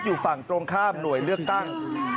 อยู่ฝั่งตรงข้ามหน่วยเลือกตั้ง